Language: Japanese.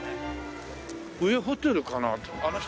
上ホテルかなあ？